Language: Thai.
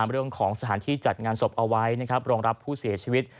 เรื่องของสถานที่จัดงานศพเอาไว้รองรับผู้เสียชีวิต